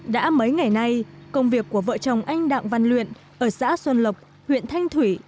đã mấy ngày nay công việc của vợ chồng anh đặng văn luyện ở xã xuân lộc huyện thanh thủy